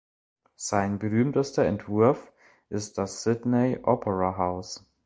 Sein berühmtester Entwurf ist das Sydney Opera House.